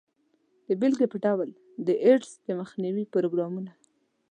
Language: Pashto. د بیلګې په ډول د ایډز د مخنیوي پروګرامونه.